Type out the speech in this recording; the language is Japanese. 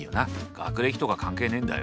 学歴とか関係ねえんだよ。